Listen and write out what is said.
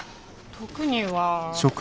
特には。